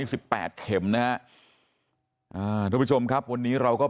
นี่คุณตูนอายุ๓๗ปีนะครับ